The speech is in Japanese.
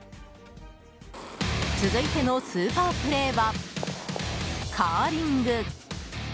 続いてのスーパープレーはカーリング。